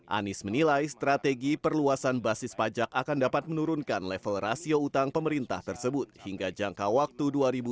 anies menilai strategi perluasan basis pajak akan dapat menurunkan level rasio utang pemerintah tersebut hingga jangka waktu dua ribu dua puluh